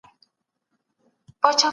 ميتافزيکي مرحله تر دې وروسته راځي.